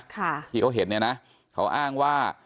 ค่ะที่เขาเห็นเนี่ยนะเขาอ้างว่า